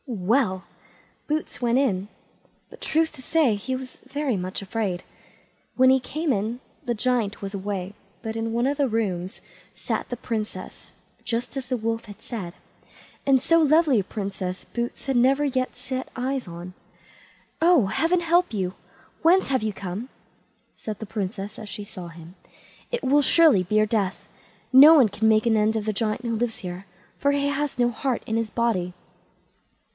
Well! Boots went in, but, truth to say, he was very much afraid. When he came in the Giant was away, but in one of the rooms sat the Princess, just as the wolf had said, and so lovely a princess Boots had never yet set eyes on. "Oh! heaven help you! whence have you come?" said the Princess, as she saw him; "it will surely be your death. No one can make an end of the Giant who lives here, for he has no heart in his body."